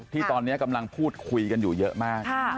ที่ตอนนี้กำลังพูดคุยกันอยู่เยอะมาก